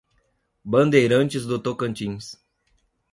Bandeirantes do Tocantins